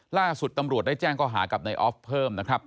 ล่าสุดตำรวจได้แจ้งข้อหากับนายออฟเพิ่มนะครับ